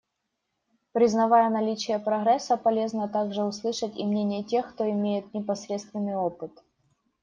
Признавая наличие прогресса, полезно также услышать и мнение тех, кто имеет непосредственный опыт.